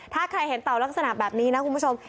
ถ้าใครเห็นเต่าลักษณะแบบนี้นะคุณผู้ชม